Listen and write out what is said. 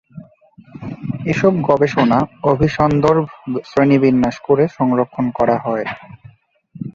এসব গবেষণা অভিসন্দর্ভ শ্রেণিবিন্যাস করে সংরক্ষণ করা হয়।